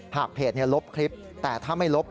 หากเพจลบคลิปแต่ถ้าไม่ลบ